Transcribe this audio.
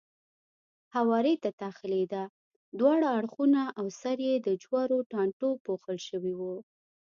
هوارۍ ته داخلېده، دواړه اړخونه او سر یې د جورو ټانټو پوښل شوی و.